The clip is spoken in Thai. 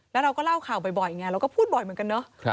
แล้วเราก็เล่าข่าวบ่อยไงเราก็พูดบ่อยเหมือนกันเนาะ